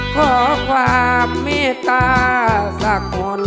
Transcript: ขอความเมตตาสักคน